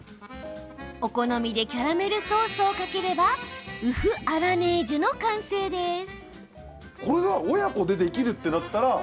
お好みでキャラメルソースをかければウフアラネージュの完成です。